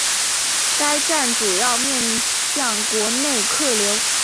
该站主要面向国内客流。